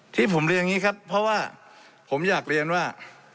ที่ผมเรียนอย่างนี้ครับเพราะว่าผมอยากเรียนว่า